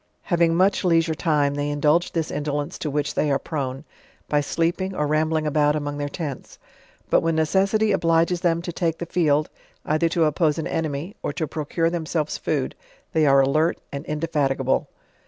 Having much leisure time they indulge this indolence to which they are prone, by sleeping or rambling about among their tents. But when necessity obliges them to take the field, either to oppose an enemy; or to procure themselree food, they are alert and indefatigable.